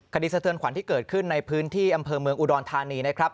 สะเทือนขวัญที่เกิดขึ้นในพื้นที่อำเภอเมืองอุดรธานีนะครับ